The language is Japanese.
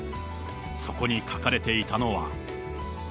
そこに書かれていたのは。